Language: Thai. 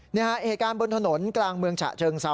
นี่ฮะเหตุการณ์บนถนนกลางเมืองฉะเชิงเซา